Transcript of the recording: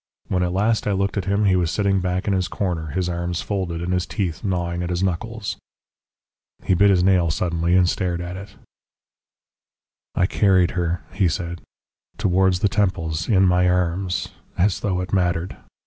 When at last I looked at him he was sitting back in his corner, his arms folded, and his teeth gnawing at his knuckles. He bit his nail suddenly, and stared at it. "I carried her," he said, "towards the temples, in my arms as though it mattered.